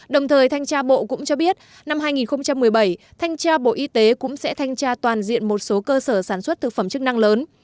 đồng thời thanh tra bộ cũng cho biết năm hai nghìn một mươi bảy thanh tra bộ y tế cũng sẽ thanh tra toàn diện một số cơ sở sản xuất thực phẩm chức năng lớn